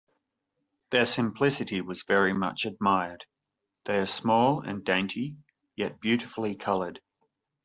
Their simplicity was very much admired: they are small and dainty yet beautifully colored.